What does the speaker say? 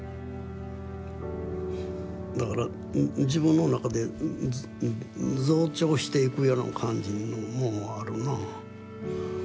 だから自分の中で増長していくような感じのもんはあるなあ。